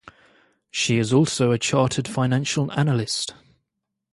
She is also a Chartered Financial Analyst.